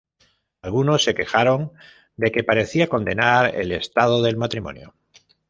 Algunos se quejaron de que parecía condenar el estado del matrimonio.